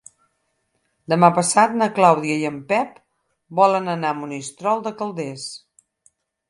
Demà passat na Clàudia i en Pep volen anar a Monistrol de Calders.